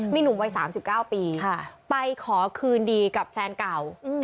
มีหนุ่มวัยสามสิบเก้าปีค่ะไปขอคืนดีกับแฟนเก่าอืม